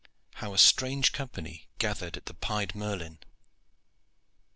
HOW A STRANGE COMPANY GATHERED AT THE "PIED MERLIN."